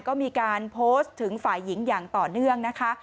ก็มีการโพสต์ถึงฝ่ายหญิงอย่างต่อเนื่องนะคะ